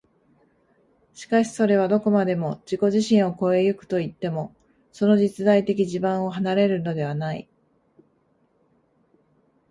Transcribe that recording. しかしそれはどこまでも自己自身を越え行くといっても、その実在的地盤を離れるのではない。